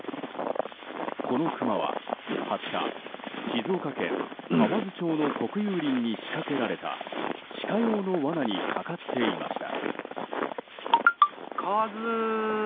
このクマは２０日静岡県河津町の国有林に仕掛けられたシカ用の罠にかかっていました。